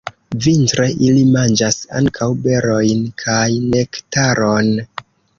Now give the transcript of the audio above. Vintre ili manĝas ankaŭ berojn kaj nektaron.